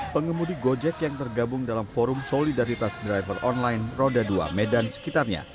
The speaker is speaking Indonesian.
pengemudi gojek yang tergabung dalam forum solidaritas driver online roda dua medan sekitarnya